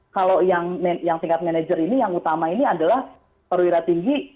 kalau yang tingkat manajer ini yang utama ini adalah perwira tinggi